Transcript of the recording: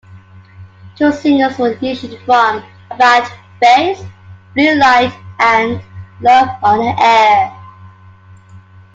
Two singles were issued from "About Face": "Blue Light", and "Love on the Air".